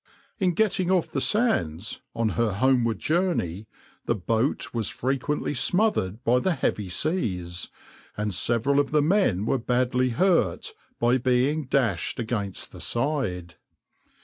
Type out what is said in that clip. In getting off the sands, on her homeward journey, the boat was frequently smothered by the heavy seas, and several of the men were badly hurt by being dashed against the side.